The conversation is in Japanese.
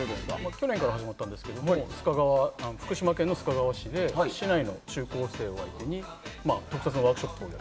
去年から始まったんですが福島県須賀川市で市内の中高生を相手に特撮のワークショップを。